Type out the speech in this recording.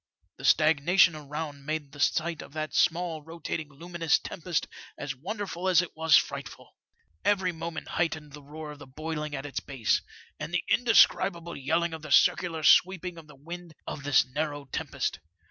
The stagnation around made the sight of that small rotating luminous tempest as wonderful as it was frightful. Every moment heightened the roar of the boiling at its base, and the indescribable yelling of the circular sweeping of the wind of this narrow tempest.